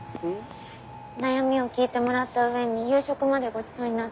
悩みを聞いてもらった上に夕食までごちそうになって。